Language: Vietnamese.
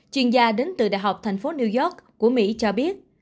chuyên gia đến từ đại học thành phố new york của mỹ cho biết